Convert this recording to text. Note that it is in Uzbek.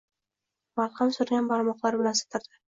malham surgan barmoqlari bilan sidirdi.